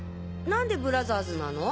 何でブラザーズなの？